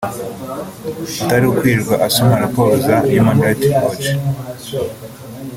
atakwirirwa asoma raporo za Human Rights Watch